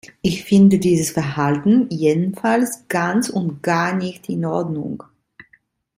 Ich finde dieses Verhalten jedenfalls ganz und gar nicht in Ordnung!